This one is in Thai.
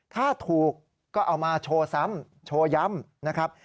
ถ้าถูกก็เอามาโชว์ซ้ำโชว์ย้ำนะครับ